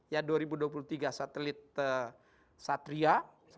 ya dua ribu dua puluh tiga satelit satria